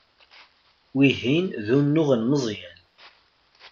Wihin d unuɣ n Meẓyan.